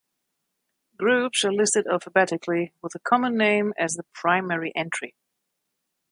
Groups are listed alphabetically, with the common name as the primary entry.